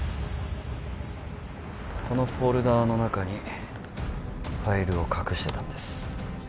このフォルダの中にファイルを隠してたんです